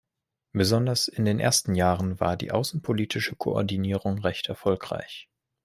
Besonders in den ersten Jahren war die außenpolitische Koordinierung recht erfolgreich.